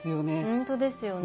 本当ですよね。